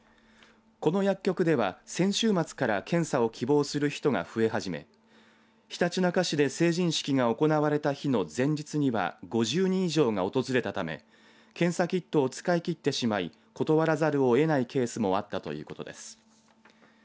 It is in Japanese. この薬局では先週末から検査を希望する人が増え始めひたちなか市で成人式が行われた日の前日には５０人以上が訪れたため検査キットを使い切ってしまい断らざるを得ないケースもあったということです。